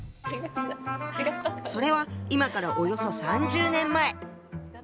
それは今からおよそ３０年前。